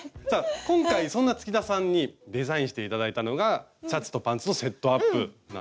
今回そんな月田さんにデザインして頂いたのがシャツとパンツのセットアップなんですよ。